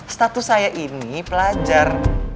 status saya ini pelajar